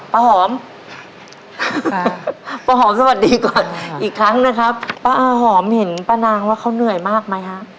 ป้าหอมป้าหอมสวัสดีก่อนอีกครั้งนะครับป้าอาหอมเห็นป้านางว่าเขาเหนื่อยมากไหมฮะ